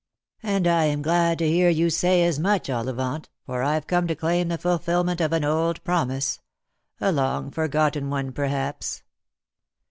" And I am glad to hear you say as much, Ollivant, for I've come to claim the fulfilment of an old promise — a long forgotten one, perhaps."